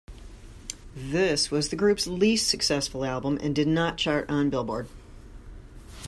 This was the group's least successful album and did not chart on "Billboard".